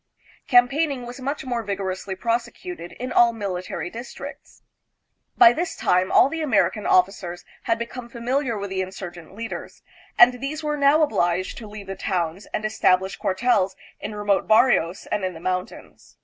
Campaigning was much more vigorously prosecuted in air military districts. By this time all the American offi cers had become familiar with the insurgent leaders, and these were now obliged to leave the towns and establish cuartels in remote barrios and in the mountains.